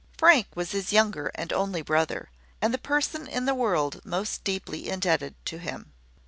Frank was his younger and only brother, and the person in the world most deeply indebted to him.